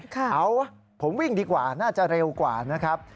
เอาผมวิ่งดีกว่าน่าจะเร็วกว่านะครับ